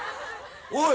おい！